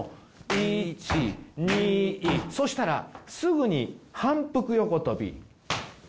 そしたらすぐに反復横跳び。